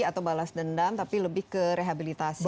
atau balas dendam tapi lebih ke rehabilitasi